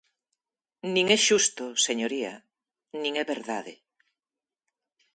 Nin é xusto, señoría, nin é verdade.